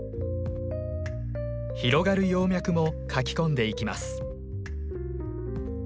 広がる葉脈も描き込んでいきます。